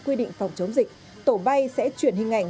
quy định phòng chống dịch tổ bay sẽ chuyển hình ảnh